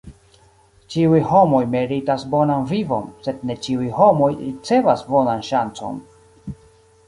Ĉiuj homoj meritas bonan vivon, sed ne ĉiuj homoj ricevas bonan ŝancon.